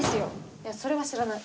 いやそれは知らない。